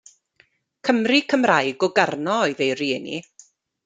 Cymry Cymraeg o Garno oedd ei rieni.